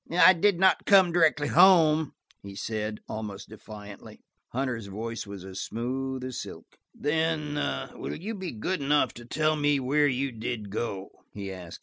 "I did not come directly home," he said, almost defiantly. Hunter's voice was as smooth as silk. "Then–will you be good enough to tell me where you did go?" he asked.